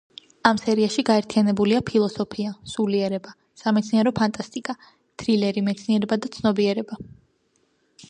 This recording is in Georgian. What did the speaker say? ამ სერიაში გაერთიანებულია: ფილოსოფია, სულიერება, სამეცნიერო ფანტასტიკა, თრილერი, მეცნიერება და ცნობიერება.